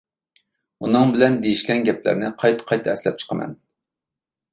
ئۇنىڭ بىلەن دېيىشكەن گەپلەرنى قايتا قايتا ئەسلەپ چىقىمەن.